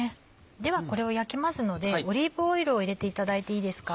ではこれを焼きますのでオリーブオイルを入れていただいていいですか？